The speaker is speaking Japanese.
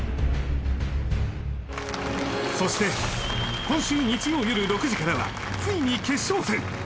そして今週日曜よる６時からはついに決勝戦！